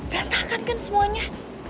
gantahkan kan semuanya